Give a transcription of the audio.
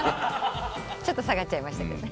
ちょっと下がっちゃいましたけど。